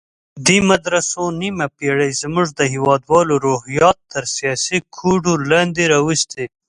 دې مدرسو نیمه پېړۍ زموږ د هېوادوالو روحیات تر سیاسي کوډو لاندې راوستي.